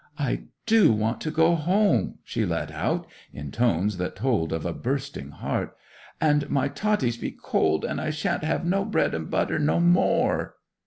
'I do want to go home!' she let out, in tones that told of a bursting heart. 'And my totties be cold, an' I shan't have no bread an' butter no more!